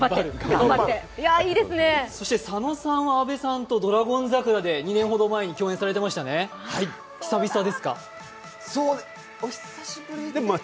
佐野さんは阿部さんと「ドラゴン桜」で２年ほど前に共演されていましたねお久しぶりでもある？